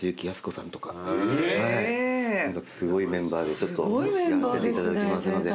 すごいメンバーでやらせていただきますので。